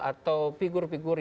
atau figur figur yang diambil